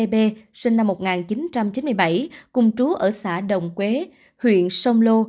nguyễn tb sinh năm một nghìn chín trăm chín mươi bảy cung trú ở xã đồng quế huyện sông lô